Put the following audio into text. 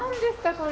これ。